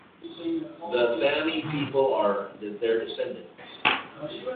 The Thami people are their descendants.